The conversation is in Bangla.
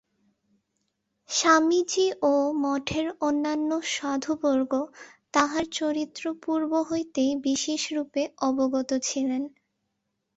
স্বামীজী ও মঠের অন্যান্য সাধুবর্গ তাহার চরিত্র পূর্ব হইতেই বিশেষরূপে অবগত ছিলেন।